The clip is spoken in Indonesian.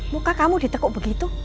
muka kamu ditekuk begitu